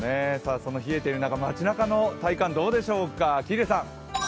その冷えている中、街なかの体感はどうでしょうか？